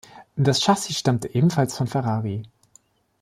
Das Chassis stammte ebenfalls von Ferrari.